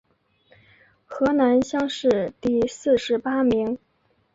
河南乡试第四十八名。